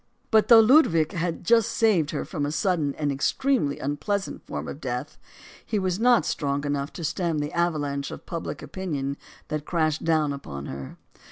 But, though Ludwig had just saved her from a sud den and extremely unpleasant form of death, he was not strong enough to stem the avalanche of public opinion that crashed down upon her.